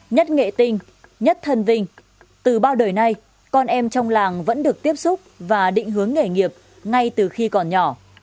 nhất nghệ tinh nhất thân vinh từ bao đời nay con em trong làng vẫn được tiếp xúc và định hướng nghề nghiệp ngay từ khi còn nhỏ